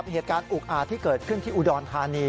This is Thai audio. เหตุการณ์อุกอาจที่เกิดขึ้นที่อุดรธานี